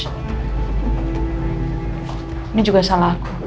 ini juga salah aku